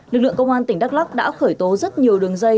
lực lượng công an tỉnh đắk lắc đã khởi tố rất nhiều đường dây